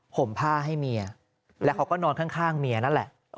ห่มผ้าให้เมียแล้วเขาก็นอนข้างเมียนั่นแหละ